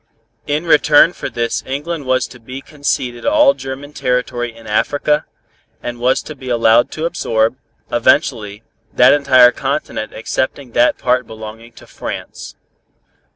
In return for this England was to be conceded all German territory in Africa, and was to be allowed to absorb, eventually, that entire continent excepting that part belonging to France.